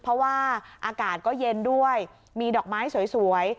เพราะว่าอากาศก็เย็นด้วยมีดอกไม้สวย